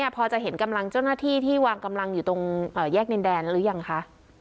พอจะเห็นกำลังเจ้าหน้าที่ที่วางกำลังอยู่ตรงแยกดินแดนหรือยังคะ